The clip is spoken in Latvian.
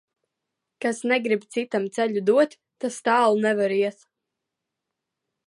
Kas negrib citam ceļu dot, tas tālu nevar iet.